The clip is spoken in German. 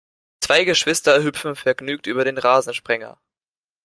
Zwei Geschwister hüpfen vergnügt über den Rasensprenger.